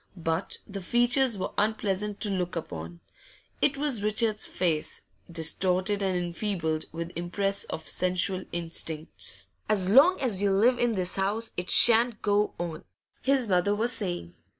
But the features were unpleasant to look upon; it was Richard's face, distorted and enfeebled with impress of sensual instincts. 'As long as you live in this house, it shan't go on,' his mother was saying.